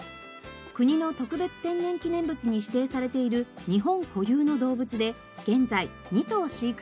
国の特別天然記念物に指定されている日本固有の動物で現在２頭飼育されています。